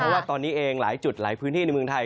ว่าตอนนี้เองหลายจุดหลายพื้นที่ในเมืองไทย